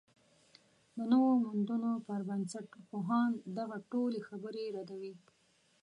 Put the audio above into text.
د نویو موندنو پر بنسټ، پوهان دغه ټولې خبرې ردوي